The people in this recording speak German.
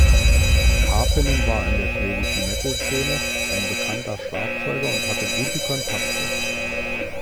Karppinen war in der schwedischen Metal-Szene ein bekannter Schlagzeuger und hatte gute Kontakte.